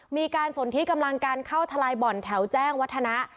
มีการสนที่กำลังการเข้าทลายบ่อนแถวแจ้งวัฒนะ